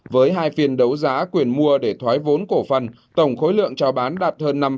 với hai phiên đấu giá quyền mua để thoái vốn cổ phần tổng khối lượng trao bán đạt hơn